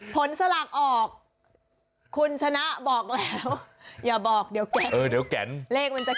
ผลสลักออกคุณชนะบอกแล้วอย่าบอกเดี๋ยวแกะ